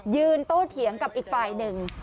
โตเถียงกับอีกฝ่ายหนึ่ง